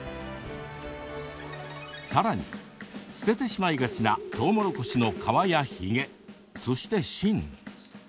さらに、捨ててしまいがちなとうもろこしの皮やヒゲそして芯。